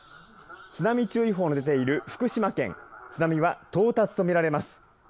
津波注意報の出ている福島県津波は到達とみられます。